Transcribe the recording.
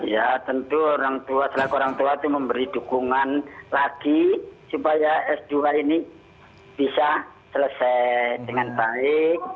ya tentu orang tua selaku orang tua itu memberi dukungan lagi supaya s dua ini bisa selesai dengan baik